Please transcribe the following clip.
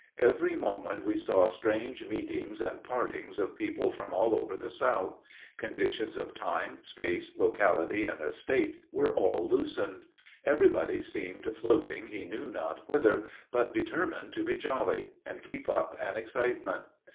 Every moment we saw strange meetings and partings of people from all over the South. Conditions of time, space, locality, and estate were all loosened; everybody seemed floating he knew not whither, but determined to be jolly, and keep up an excitement.